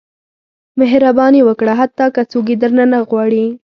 • مهرباني وکړه، حتی که څوک یې درنه نه غواړي.